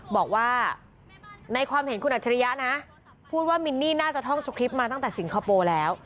บอกว่าในความเห็นคุณอัจฉริยะนะพูดว่ามินนี่น่าจะท่องสคริปต์มาตั้งแต่สิงคโปร์แล้ว